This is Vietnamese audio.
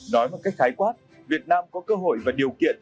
nói một cách khái quát việt nam có cơ hội và điều kiện